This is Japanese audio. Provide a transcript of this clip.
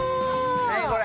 はいこれ。